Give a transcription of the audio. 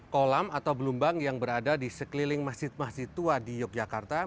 kolam atau belumbang yang berada di sekeliling masjid masjid tua di yogyakarta